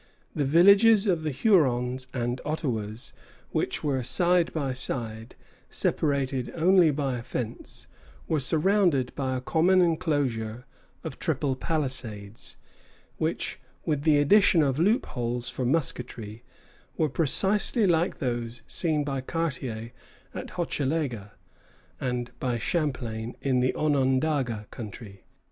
The villages of the Hurons and Ottawas, which were side by side, separated only by a fence, were surrounded by a common enclosure of triple palisades, which, with the addition of loopholes for musketry, were precisely like those seen by Cartier at Hochelaga, and by Champlain in the Onondaga country.